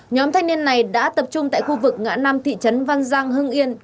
nhóm thanh niên này đã tập trung tại khu vực ngã năm thị trấn văn giang hưng yên